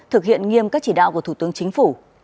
thực hiện nghiêm các chỉ đạo của thủ tướng chính phủ